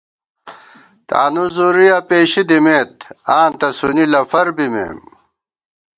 تانُو زُورُویہ پېشی دِمېت، آں تسُونی لَفر بِمېم